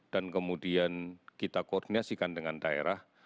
dan kemudian kita koordinasikan dengan daerah